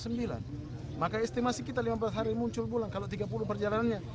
maka estimasi kita lima belas hari muncul bulan kalau tiga puluh perjalanannya